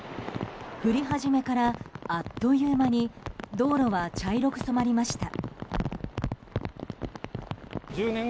降り始めから、あっという間に道路は茶色く染まりました。